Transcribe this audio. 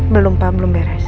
belum pak belum beres